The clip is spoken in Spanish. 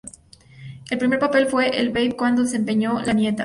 El primer papel fue en Babe, cuando desempeñó de nieta.